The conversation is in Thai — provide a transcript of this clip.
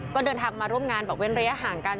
ก็เดินทางมาร่วมงานบอกเว้นระยะห่างกัน